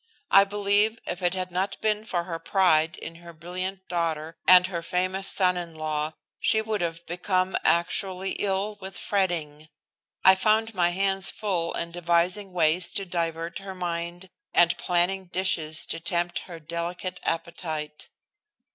I believe if it had not been for her pride in her brilliant daughter and her famous son in law she would have become actually ill with fretting. I found my hands full in devising ways to divert her mind and planning dishes to tempt her delicate appetite.